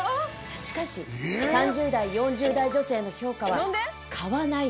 しかし３０代４０代女性の評価は「買わない」